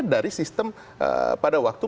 dari sistem pada waktu